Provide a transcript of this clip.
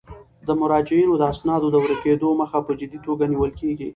د مراجعینو د اسنادو د ورکیدو مخه په جدي توګه نیول کیږي.